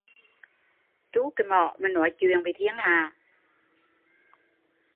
Chu mỏ nói chuyện thiên hạ